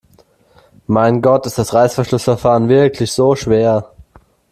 Mein Gott, ist das Reißverschlussverfahren wirklich so schwer?